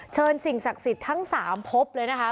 สิ่งศักดิ์สิทธิ์ทั้ง๓พบเลยนะคะ